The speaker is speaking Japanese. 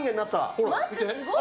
ほら見て。